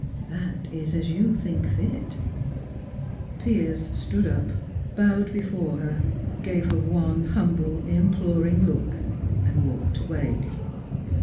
"That is as you think fit." Piers stood up, bowed before her, gave her one humble, imploring look, and walked away.